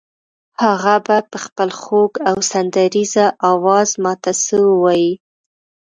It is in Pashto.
هغه به په خپل خوږ او سندریزه آواز ماته څه ووایي.